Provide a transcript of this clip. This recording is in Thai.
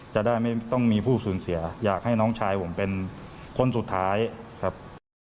จะได้ไม่ต้องมีผู้สูญเสียอยากให้น้องชายผมเป็นคนสุดท้ายครับ